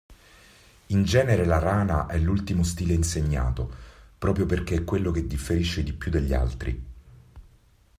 In genere la rana è l'ultimo stile insegnato, proprio perchè è quello che differisce di più dagli altri.